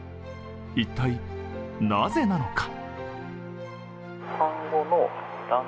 一体なぜなのか。